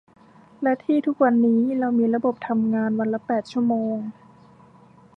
และที่ทุกวันนี้เรามีระบบทำงานวันละแปดชั่วโมง